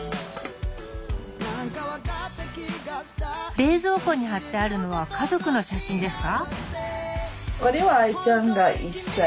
冷蔵庫に貼ってあるのは家族の写真ですか？